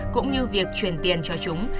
cũng như việc chuyển tiền cho chúng